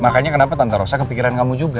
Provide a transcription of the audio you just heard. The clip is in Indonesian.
makanya kenapa tante rosa kepikiran kamu juga